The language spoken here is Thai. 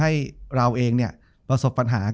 จบการโรงแรมจบการโรงแรม